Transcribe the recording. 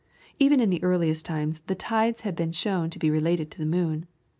Even in the earliest times the tides had been shown to be related to the moon.